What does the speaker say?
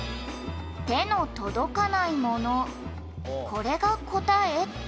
「“手の届かないもの”これが答えって事よね」